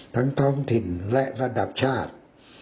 ทั้งท้องถิ่นและระดับชาติ